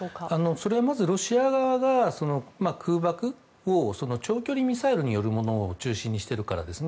それはまず、ロシア側が空爆を長距離ミサイルで中心にしているからですね。